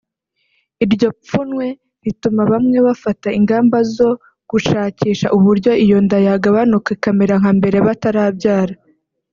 Iryo pfunwe rituma bamwe bafata ingamba zo gushakisha uburyo iyo nda yagabanuka ikamera nka mbera batarabyara